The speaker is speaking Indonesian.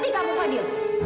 berarti kamu fadil